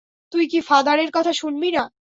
তুই কী ফাদারের কথা শুনবি না?